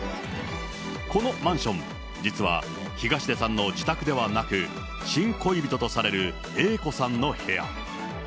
このマンション、実は東出さんの自宅ではなく、新恋人とされるＡ子さんの部屋。